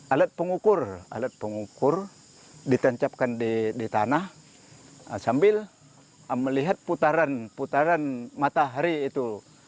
alat pengukur alat pengukur ditancapkan di tanah sambil melihat putaran putaran matahari itu